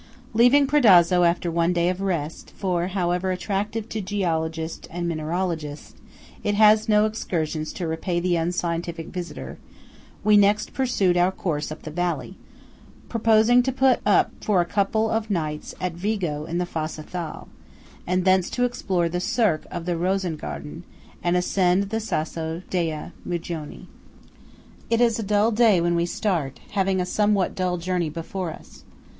Leaving Predazzo after one day of rest–for, however attractive to geologists and mineralogists, it has no excursions to repay the unscientific visitor–we next pursued our course up the valley, purposing to put up for a couple of nights at Vigo in the Fassa Thal, and thence to explore the cirque of the Rosengarten, and ascend the Sasso dei Mugoni. It is a dull day when we start, having a somewhat dull journey before us.